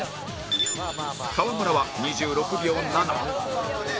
川村は２６秒０７